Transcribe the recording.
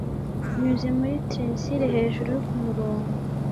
binyuze muri trincile, hejuru kumurongo